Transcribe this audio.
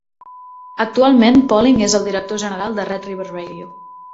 Actualment, Poling és el director general de Red River Radio.